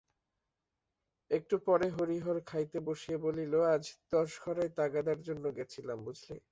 একটু পরে হরিহর খাইতে বসিয়া বলিল, আজ দশঘরায় তাগাদার জন্যে গেছলাম, বুঝলে?